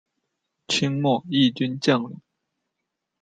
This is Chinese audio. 清末毅军将领。